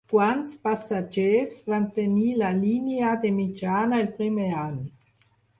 Quants passatgers va tenir la línia de mitjana el primer any?